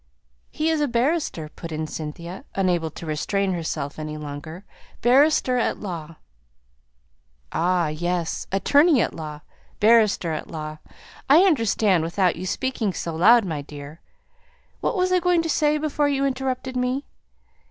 "He is a barrister," put in Cynthia, unable to restrain herself any longer. "Barrister at law." "Ah, yes. Attorney at law. Barrister at law. I understand without your speaking so loud, my dear. What was I going to say before you interrupted me?